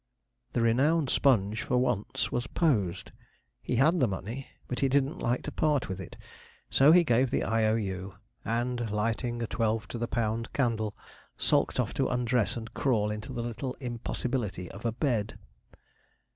The renowned Sponge, for once, was posed. He had the money, but he didn't like to part with it. So he gave the 'I.O.U.' and, lighting a twelve to the pound candle, sulked off to undress and crawl into the little impossibility of a bed.